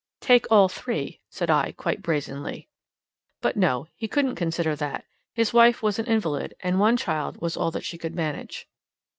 "Take all three," said I, quite brazenly. But, no, he couldn't consider that; his wife was an invalid, and one child was all that she could manage.